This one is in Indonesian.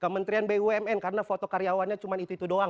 kementerian bumn karena foto karyawannya cuma itu itu doang